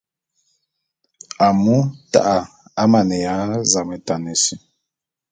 Amu ta'a amaneya zametane si.